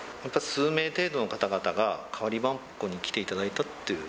数名程度の方々が、代わりばんこに来ていただいたという。